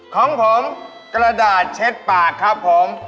ของผมกระดาษเช็ดปากครับผม